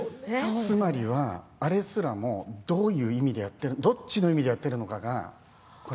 つまりは、あれすらもどういう意味でやっているのかどっちの意味でやっているのか